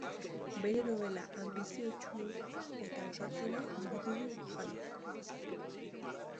Bere nobela anbiziotsu eta ausartena burutu du Jaiok